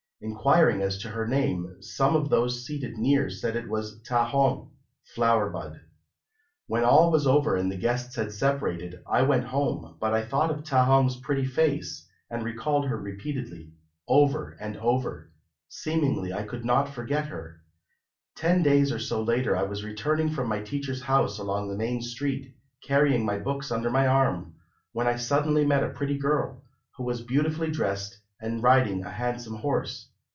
Inquiring as to her name, some of those seated near said it was Ta hong (Flower bud). "When all was over and the guests had separated, I went home, but I thought of Ta hong's pretty face, and recalled her repeatedly, over and over; seemingly I could not forget her. Ten days or so later I was returning from my teacher's house along the main street, carrying my books under my arm, when I suddenly met a pretty girl, who was beautifully dressed and riding a handsome horse.